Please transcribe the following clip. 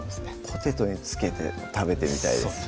ポテトに付けて食べてみたいですね